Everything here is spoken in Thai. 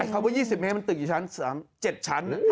คำว่า๒๐เมตรมันตึกกี่ชั้น๗ชั้น